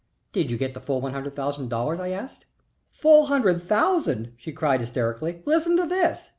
"Did you get the full one hundred thousand dollars?" I asked. "Full hundred thousand?" she cried, hysterically. "Listen to this."